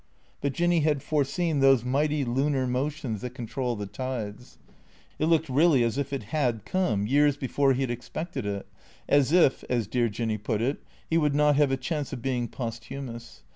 But Jinny had foreseen those mighty lunar motions that con trol the tides. It looked really as if it had come, years before he had expected it, as if (as dear Jinny put it) he would not have a chance of being posthumous.